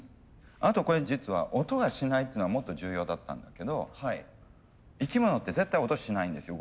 あとこれ実は音がしないっていうのがもっと重要だったんだけど生き物って絶対音しないんですよ